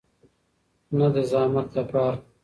نه د زحمت لپاره.